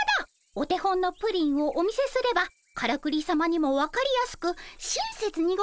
お手本のプリンをお見せすればからくりさまにも分かりやすく親切にございますね。